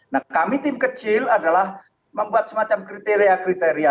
nah kami tim kecil adalah membuat semacam kriteria kriteria